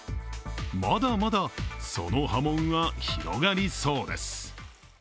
まだまだその波紋は広がりそうです。